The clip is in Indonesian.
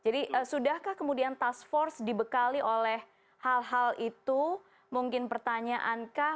jadi sudahkah kemudian task force dibekali oleh hal hal itu mungkin pertanyaankah